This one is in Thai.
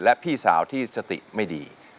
และพี่สาวที่สติไม่ดี